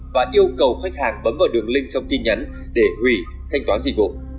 và yêu cầu khách hàng bấm vào đường link trong tin nhắn để hủy thanh toán dịch vụ